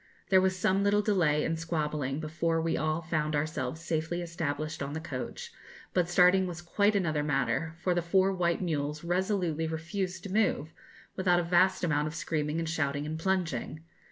There was some little delay and squabbling before we all found ourselves safely established on the coach, but starting was quite another matter, for the four white mules resolutely refused to move, without a vast amount of screaming and shouting and plunging.